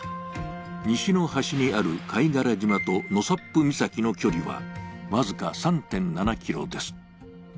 西の端にある貝殻島と納沙布岬の距離は僅か３．７ｋｍです。